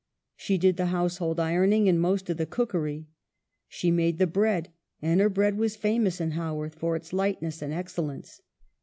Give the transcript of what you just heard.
She did the household ironing and most of the cookery. She made the bread ; and her bread was famous in Haworth for its lightness and excellence.